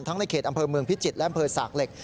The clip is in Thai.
ในเขตอำเภอเมืองพิจิตรและอำเภอสากเหล็ก